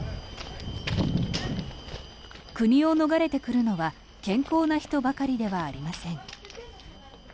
国を逃れてくるのは健康な人ばかりではありません。